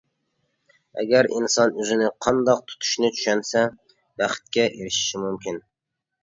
ئەگەر ئىنسان ئۆزىنى قانداق تۇتۇشنى چۈشەنسە، بەختكە ئېرىشىشى مۇمكىن.